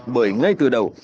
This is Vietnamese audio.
bởi ngay từ đầu